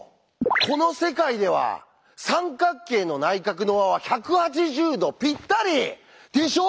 この世界では三角形の内角の和は１８０°ぴったり！でしょ？